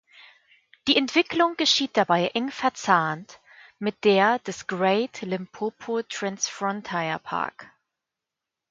Die Entwicklung geschieht dabei eng verzahnt mit der des Great Limpopo Transfrontier Park.